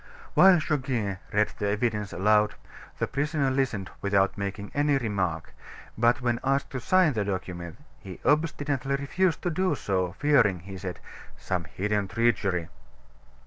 While Goguet read the evidence aloud, the prisoner listened without making any remark, but when asked to sign the document, he obstinately refused to do so, fearing, he said, "some hidden treachery."